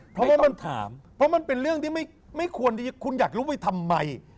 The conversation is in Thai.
เพราะว่ามันเป็นเรื่องที่ไม่ควรคุณอยากรู้ไปทำไม